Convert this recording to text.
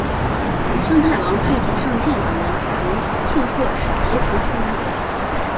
尚泰王派遣尚健等人组成庆贺使节团赴日本。